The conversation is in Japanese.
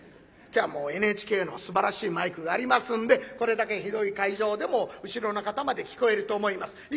今日はもうＮＨＫのすばらしいマイクがありますんでこれだけ広い会場でも後ろの方まで聞こえると思います。